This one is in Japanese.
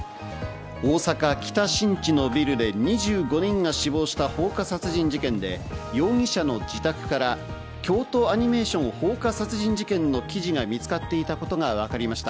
大阪・北新地のビルで２５人が死亡した放火殺人事件で、容疑者の自宅から京都アニメーション放火殺人事件の記事が見つかっていたことがわかりました。